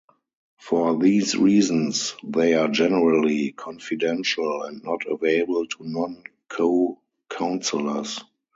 For these reasons they are generally confidential and not available to non co-counsellors.